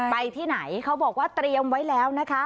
ไปที่ไหนเขาบอกว่าเตรียมไว้แล้วนะคะ